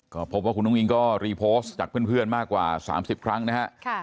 ก็พบว่าคุณอุ้งอิงก็รีโพสต์จากเพื่อนมากกว่า๓๐ครั้งนะฮะ